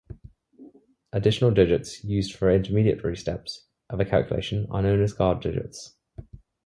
Additional digits used for intermediary steps of a calculation are known as guard digits.